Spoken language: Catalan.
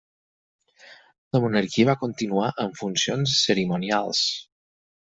La monarquia va continuar en funcions cerimonials.